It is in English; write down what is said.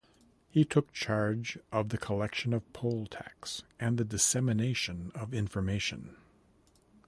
He took charge of the collection of poll tax and the dissemination of information.